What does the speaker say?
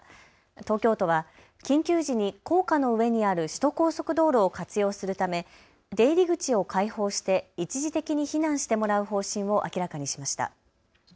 東京都は緊急時に高架の上にある首都高速道路を活用するため出入り口を開放して一時的に避難してもらう方針を明らかにしました。